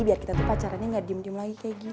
biar kita tuh pacarannya nggak diem diem lagi kayak gini